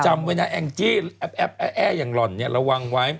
จำไว้นะแองจี้แอปอย่างหล่อนเนี่ยระวังไว้